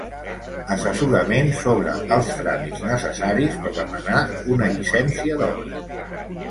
Assessorament sobre els tràmits necessaris per demanar una llicència d'obres.